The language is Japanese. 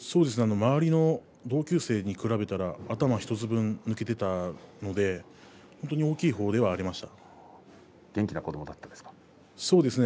周りの同級生に比べたら頭１つ分、抜けていたので本当に大きいほうではありました。